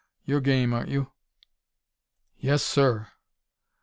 You're game, aren't you?" "Yes, sir!"